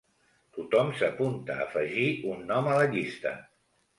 Tothom s'apunta a afegir un nom a la llista.